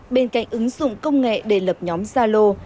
bên cạnh ứng dụng công nghệ để lập nhóm gia lô